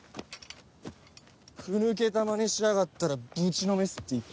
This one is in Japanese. ふ抜けたまねしやがったらぶちのめすって言ったよな。